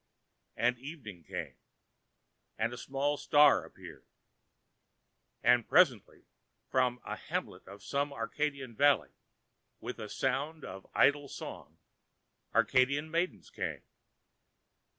And evening came and a small star appeared. And presently from a hamlet of some Arcadian valley, with a sound of idle song, Arcadian maidens came.